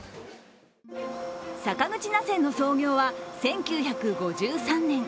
坂口捺染の創業は１９５３年。